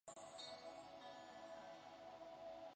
珀斯内克是德国图林根州的一个市镇。